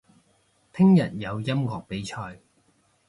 聽日有音樂比賽